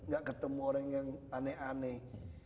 gak ketemu orang yang aneh aneh